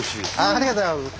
ありがとうございます。